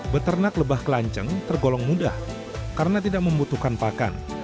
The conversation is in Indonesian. beternak lebah kelanceng tergolong mudah karena tidak membutuhkan pakan